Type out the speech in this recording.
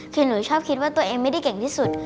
คือหนูชอบคิดว่าตัวเองไม่ได้เก่งที่สุด